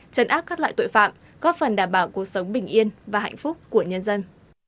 chấn áp các loại tội phạm góp phần đảm bảo cuộc sống bình yên và hạnh phúc của nhân dân